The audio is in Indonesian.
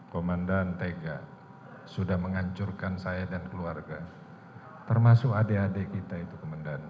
komandan tega sudah menghancurkan saya dan keluarga termasuk adik adik kita itu komandan